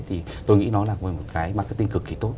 thì tôi nghĩ nó là một cái marketing cực kỳ tốt